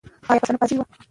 آیا پښتانه په عذاب سوي وو؟